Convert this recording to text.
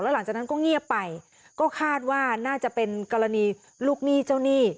หลังจากนั้นก็เงียบไปก็คาดว่าน่าจะเป็นกรณีลูกหนี้เจ้าหนี้